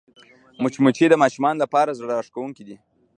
مچمچۍ د ماشومانو لپاره زړهراښکونکې ده